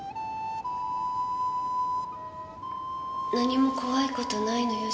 何も怖い事ないのよ